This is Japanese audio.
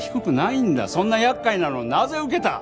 そんな厄介なのをなぜ受けた！？